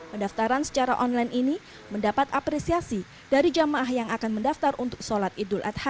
pendaftaran secara online ini mendapat apresiasi dari jamaah yang akan mendaftar untuk sholat idul adha